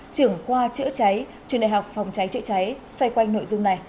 trưởng qua chữa cháy truyền đại học phòng cháy chữa cháy xoay quanh nội dung này